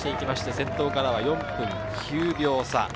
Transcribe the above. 先頭からは４分９秒差。